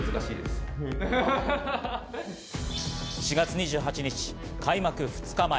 ４月２８日、開幕２日前。